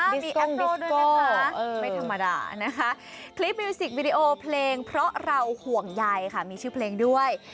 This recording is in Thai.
แอมบิสด้วยนะคะไม่ธรรมดานะคะคลิปมิวสิกวิดีโอเพลงเพราะเราห่วงใยค่ะมีชื่อเพลงด้วย